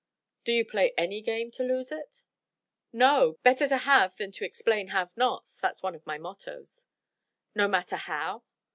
"Do you play any game to lose it?" "No! Better to have than to explain have not that's one of my mottoes." "No matter how?"